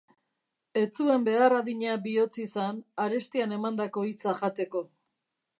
Ez zuen behar adina bihotz izan arestian emandako hitza jateko.